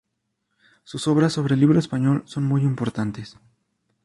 Sus obras sobre el libro español son muy importantes.